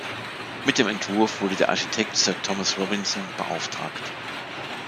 Mit dem Entwurf wurde der Architekt Sir Thomas Robinson beauftragt.